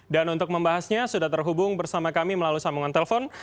dan untuk membahasnya sudah terhubung bersama kami melalui sambungan telpon